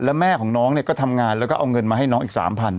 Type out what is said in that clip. แล้วแม่ของน้องเนี่ยก็ทำงานแล้วก็เอาเงินมาให้น้องอีก๓๐๐